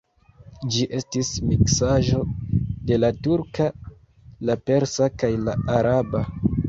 Ĝi estis miksaĵo de la turka, la persa kaj la araba.